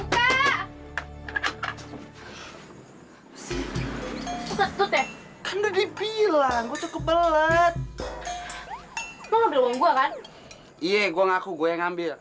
kan lebih bilang gue cukup belet mau belom gua kan iya gua ngaku gue ngambil